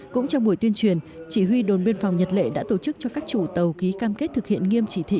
cũng trong buổi tuyên truyền chỉ huy đồn biên phòng nhật lệ đã tổ chức cho các chủ tàu ký cam kết thực hiện nghiêm chỉ thị